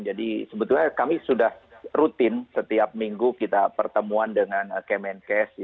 jadi sebetulnya kami sudah rutin setiap minggu kita pertemuan dengan kemenkes